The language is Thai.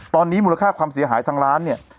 ตอนนี้มูลค่าความเสียหายทางร้านเนี่ย